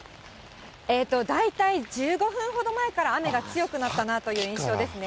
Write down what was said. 大体１５分ほど前から雨が強くなったなという印象ですね。